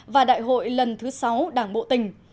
và đại hội lần thứ sáu đảng bộ tỉnh